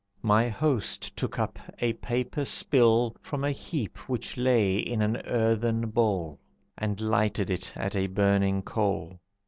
My host took up a paper spill From a heap which lay in an earthen bowl, And lighted it at a burning coal.